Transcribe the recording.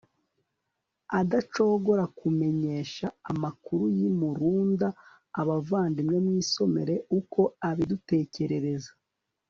adacogora kumenyesha amakuru y'i murunda abavandimwe, mwisomere uko abidutekerereza